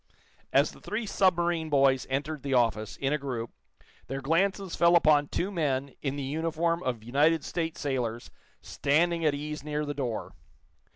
As the three submarine boys entered the office, in a group, their glances fell upon two men, in the uniform of United States sailors, standing at ease near the door.